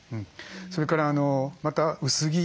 それからまた薄着。